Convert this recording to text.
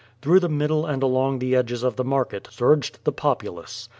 Through the middle and along the edges of the market surged the populace.